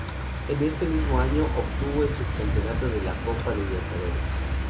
En este mismo año obtuvo el subcampeonato de la Copa Libertadores.